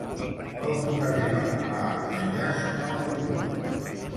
Com puc arribar a Almoines amb autobús?